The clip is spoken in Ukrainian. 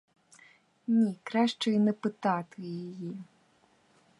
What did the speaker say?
Ні, краще й не питати її.